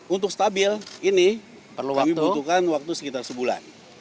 untuk stabil ini kami butuhkan waktu sekitar sebulan